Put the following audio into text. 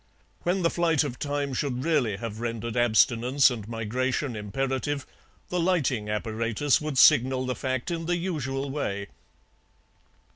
When the flight of time should really have rendered abstinence and migration imperative the lighting apparatus would signal the fact in the usual way.